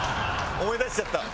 思い出しちゃったね。